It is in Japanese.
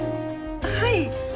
はい。